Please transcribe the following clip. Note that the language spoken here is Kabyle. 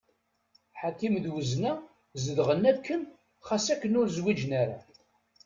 Ḥakim d Wezna zedɣen akken xas akken ur zwiǧen ara.